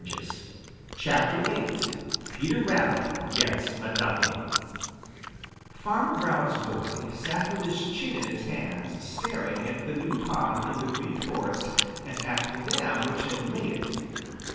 VIII PETER RABBIT GETS A DUCKING Farmer Brown's boy sat with his chin in his hands staring at the new pond in the Green Forest and at the dam which had made it.